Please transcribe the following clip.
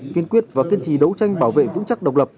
kiên quyết và kiên trì đấu tranh bảo vệ vững chắc độc lập